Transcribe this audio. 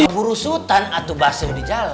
ihh buru sutan atuh basuh di jalan